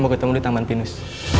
mau ketemu di taman pinus